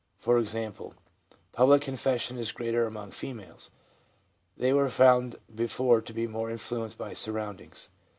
For example, public confession is greater among females ; they were found before to be more influenced by surroundings.